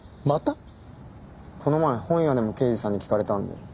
この前本屋でも刑事さんに聞かれたんで。